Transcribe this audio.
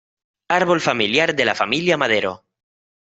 Árbol familiar de la familia Madero